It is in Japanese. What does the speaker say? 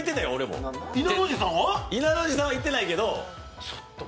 いなの路さんは行ってないけど。